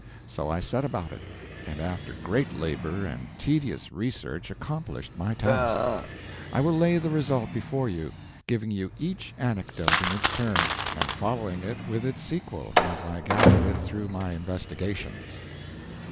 So I set about it, and after great labor and tedious research accomplished my task. I will lay the result before you, giving you each anecdote in its turn, and following it with its sequel as I gathered it through my investigations.